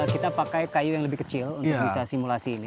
kita pakai kayu yang lebih kecil untuk bisa simulasi ini